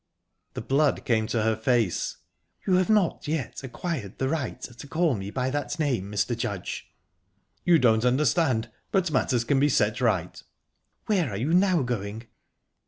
The blood came to her face. "You have not yet acquired the right to call me by that name, Mr. Judge." "You don't understand but matters can be set right." "Where are you now going?"